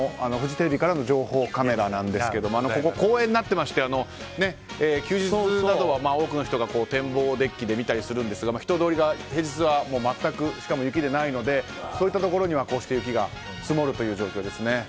フジテレビからの情報カメラなんですけどもここ、公園になっていまして休日などは多くの人が展望デッキで見たりするんですが人通りが平日は全くしかも雪でないのでそういったところにはこうして雪が積もるという状況ですね。